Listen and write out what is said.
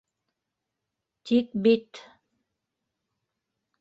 Тик бит.